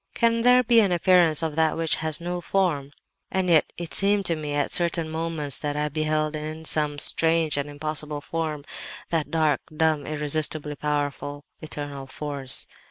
"Can there be an appearance of that which has no form? And yet it seemed to me, at certain moments, that I beheld in some strange and impossible form, that dark, dumb, irresistibly powerful, eternal force.